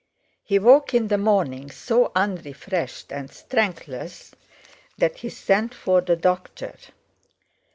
He woke in the morning so unrefreshed and strengthless that he sent for the doctor.